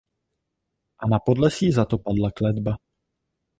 A na Podlesí za to padla kletba.